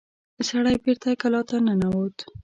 سړی بېرته کلا ته ننوت.